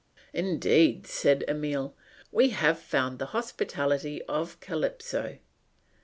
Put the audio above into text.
"Indeed," said Emile, "we have found the hospitality of Calypso."